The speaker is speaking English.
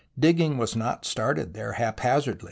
Digging was not started there haphazard.